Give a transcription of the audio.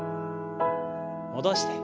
戻して。